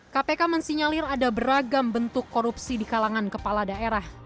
kpk mensinyalir ada beragam bentuk korupsi di kalangan kepala daerah